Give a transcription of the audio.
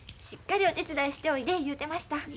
しっかりお手伝いしておいで言うてました。